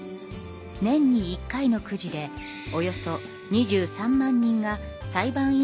年に一回のくじでおよそ２３万人が裁判員候補に選ばれます。